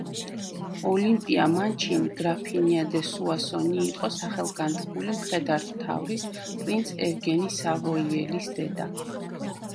ოლიმპია მანჩინი, გრაფინია დე სუასონი იყო სახელგანთქმული მხედართმთავრის პრინც ევგენი სავოიელის დედა.